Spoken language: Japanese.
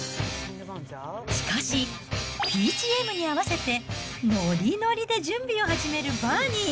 しかし、ＢＧＭに合わせてのりのりで準備を始めるバーニー。